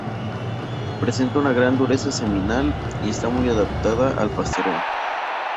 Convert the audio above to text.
Presenta una gran dureza seminal, y está muy adaptada al pastoreo.